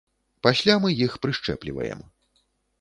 Пасля мы іх прышчэпліваем.